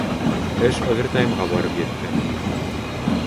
Эш овертаймға барып етте.